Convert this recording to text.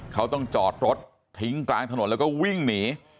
เขาต้องจอดรถทิ้งกลางถนนแล้วก็วิ่งหนี